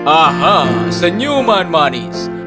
aha senyuman manis